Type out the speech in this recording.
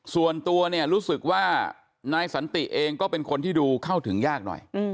ส่วนตัวเนี่ยรู้สึกว่านายสันติเองก็เป็นคนที่ดูเข้าถึงยากหน่อย